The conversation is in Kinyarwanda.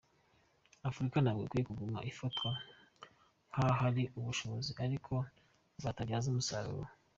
Afurika ntabwo ikwiye kuguma ifatwa nk’ahari ubushobozi ariko butabyazwa umusaruro.